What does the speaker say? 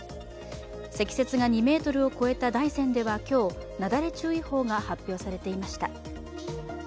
積雪が２ｍを超えた大山では今日なだれ注意報が発表されていました。